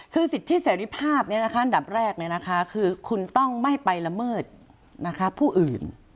คือสิทธิเสรีภาพอันดับแรกคือคุณต้องไม่ไปละเมิดผู้อื่น